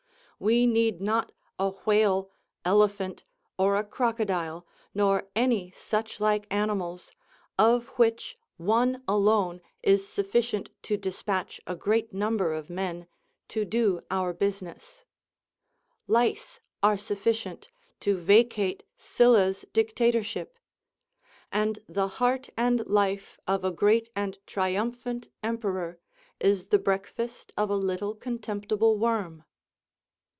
We need not a whale, elephant, or a crocodile, nor any such like animals, of which one alone is sufficient to dispatch a great number of men, to do our business; lice are sufficient to vacate Sylla's dictatorship; and the heart and life of a great and triumphant emperor is the breakfast of a little contemptible worm!